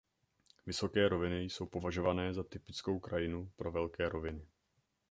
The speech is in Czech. Vysoké roviny jsou považované za typickou krajinu pro Velké roviny.